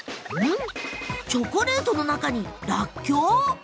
チョコレートの中にらっきょう？